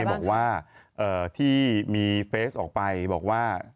บอกว่าที่มีเฟสออกไปบอกว่า